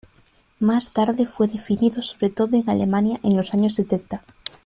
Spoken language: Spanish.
Más tarde fue definido sobre todo en Alemania en los años setenta.